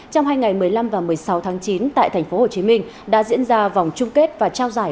trong hai ngày một mươi năm và một mươi sáu tháng chín tại tp hcm đã diễn ra vòng chung kết và trao giải